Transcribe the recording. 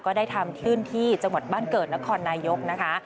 ก็ได้ทำขึ้นที่จังหวัดบ้านเกิดนครนายกนะคะ